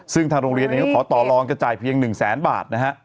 ซึ่งทางโรงเรียนเนี่ยเขาขอต่อรองจะจ่ายเพียงหนึ่งแสนบาทนะฮะ